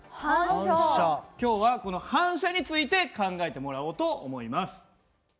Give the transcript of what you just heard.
今日はこの「反射」について考えてもらおうと思います。